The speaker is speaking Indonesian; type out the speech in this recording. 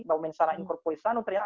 bahwa mensara incorporisano perianal